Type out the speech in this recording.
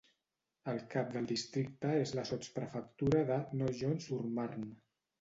El cap del districte és la sotsprefectura de Nogent-sur-Marne.